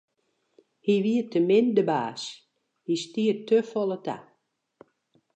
Hy wie te min de baas, hy stie te folle ta.